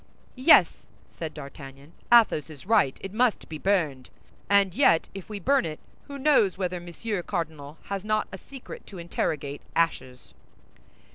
"Yes," said D'Artagnan, "Athos is right, it must be burned. And yet if we burn it, who knows whether Monsieur Cardinal has not a secret to interrogate ashes?"